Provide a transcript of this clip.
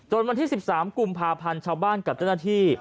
วันที่๑๓กุมภาพันธ์ชาวบ้านกับเจ้าหน้าที่